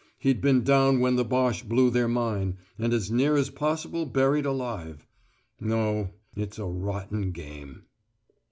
He'd been down when the Boche blew their mine, and as near as possible buried alive. No, it's a rotten game."